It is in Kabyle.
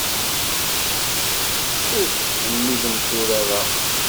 Ur tettḥemmilemt urar-a.